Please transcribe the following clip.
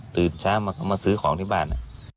ตื่นเช้ามาซื้อของที่บ้าน